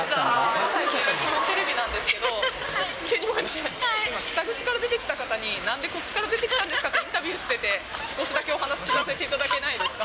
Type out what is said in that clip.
日本テレビなんですけど、北口から出てきた方に、なんでこっちから出てきたんですかってインタビューしてて、少しだけお話聞かせていただけないですか？